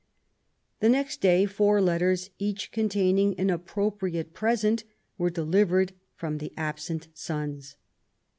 The next day four letters, each containing an appropriate 17 258 QUEEN ELIZABETH, present, were delivered from the absent sons.